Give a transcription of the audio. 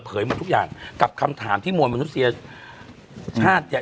เหมือนทุกอย่างกับคำถามที่มวลมนุษยาชาติ